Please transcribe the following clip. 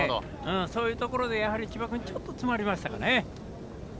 そういうところで千葉君ちょっと詰まりましたかね。